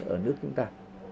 ở nước chúng ta